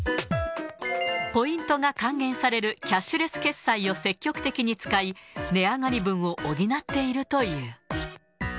ポイントが還元されるキャッシュレス決済を積極的に使い、値上がり分を補っているという。